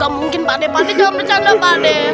ga mungkin pak deh pak deh jangan bercanda pak deh